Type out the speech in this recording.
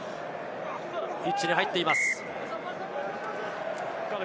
ピッチに入っています。